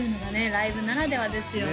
ライブならではですよね